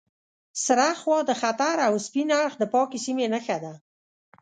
سره خوا د خطر او سپین اړخ د پاکې سیمې نښه ده.